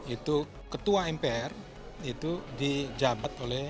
itu ketua mpr itu di jabat oleh mpr